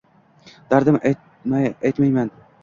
Dardim aytmadim.